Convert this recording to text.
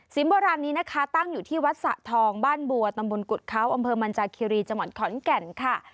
โบราณนี้นะคะตั้งอยู่ที่วัดสะทองบ้านบัวตำบลกุฎเขาอำเภอมันจากคิรีจังหวัดขอนแก่นค่ะ